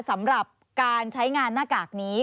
สำหรับการใช้งานหน้ากากนี้